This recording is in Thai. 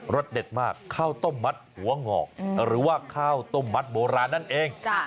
สเด็ดมากข้าวต้มมัดหัวหงอกหรือว่าข้าวต้มมัดโบราณนั่นเอง